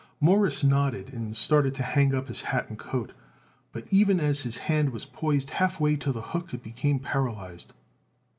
Morris nodded and started to hang up his hat and coat, but even as his hand was poised half way to the hook it became paralyzed.